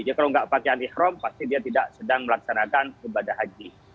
jadi kalau tidak pakai al ikhram pasti dia tidak sedang melaksanakan ibadah haji